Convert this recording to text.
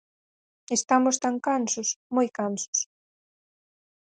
Estamos tan cansos, moi cansos.